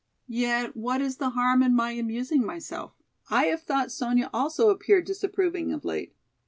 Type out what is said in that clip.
Yet what is the harm in my amusing myself? I have thought Sonya also appeared disapproving of late.